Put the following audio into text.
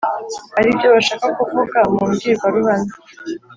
ari byo bashaka no kuvuga mu mbwirwaruhame.